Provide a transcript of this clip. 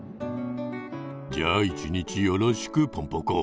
じゃあ一日よろしくポンポコ。